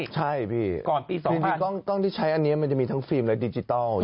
ใช่พี่ก่อนปี๒กล้องที่ใช้อันนี้มันจะมีทั้งฟิล์มและดิจิทัล